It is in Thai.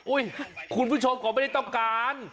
อุ้ยคุณผู้ชมผมไม่ได้ต้องการ